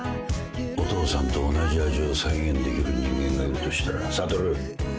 お父さんと同じ味を再現できる人間がいるとしたら悟。